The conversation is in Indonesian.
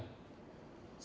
kami merasakan ketidakadilan